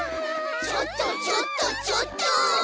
ちょっとちょっとちょっと！